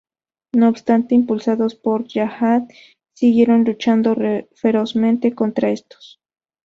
No obstante, impulsados por la Yihad, siguieron luchando ferozmente contra estos.